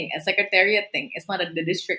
hal sekretariat bukan hal distrik